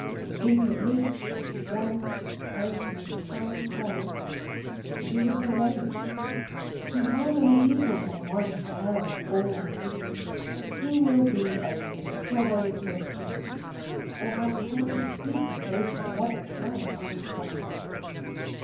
In the midst of friends, home, and kind parents, she was alone. To how many people can any one tell all? Who will be open where there is no sympathy, or has call to speak to those who never can understand?